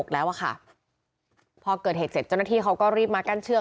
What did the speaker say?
แล้วอะค่ะพอเกิดเหตุเสร็จเจ้าหน้าที่เขาก็รีบมากั้นเชือก